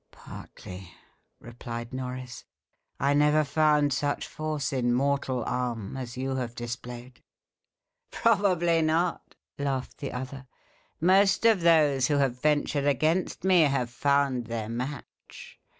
"Partly," replied Norris "I never found such force in mortal arm as you have displayed." "Probably not," laughed the other: "most of those who have ventured against me have found their match.